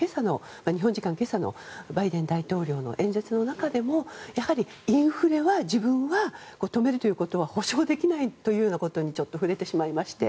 日本時間今朝のバイデン大統領の演説の中でもやはりインフレは自分は止めるということは保証できないというようなことに触れてしまいまして。